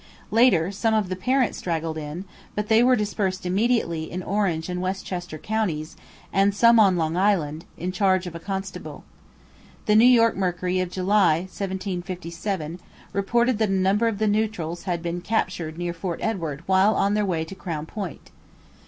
Later some of the parents straggled in, but they were dispersed immediately in Orange and Westchester counties, and some on Long Island, in charge of a constable. The New York Mercury of July 1757 reported that a number of the neutrals had been captured near Fort Edward while on their way to Crown Point.